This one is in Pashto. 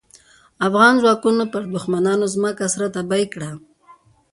افغان ځواکونو پر دوښمنانو ځمکه سره تبۍ کړه.